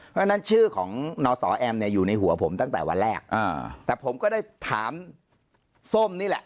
เพราะฉะนั้นชื่อของนสแอมเนี่ยอยู่ในหัวผมตั้งแต่วันแรกแต่ผมก็ได้ถามส้มนี่แหละ